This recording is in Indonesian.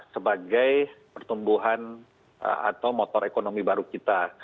sebagai pertumbuhan atau motor ekonomi baru kita